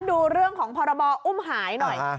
ดูเรื่องของพรบอุ้มหายหน่อย